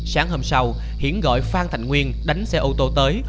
sáng hôm sau hiển gọi phan thành nguyên đánh xe ô tô tới